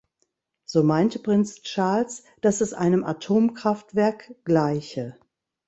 So meinte Prinz Charles, dass es einem Atomkraftwerk gleiche.